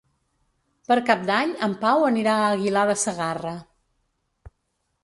Per Cap d'Any en Pau anirà a Aguilar de Segarra.